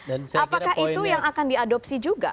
apakah itu yang akan diadopsi juga